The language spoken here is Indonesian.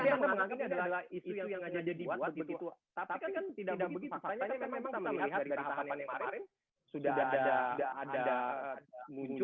tapi yang menganggapnya adalah isu yang tidak jadi buat begitu